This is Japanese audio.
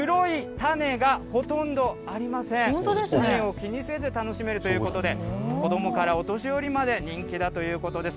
種を気にせず楽しめるということで、子どもからお年寄りまで人気だということです。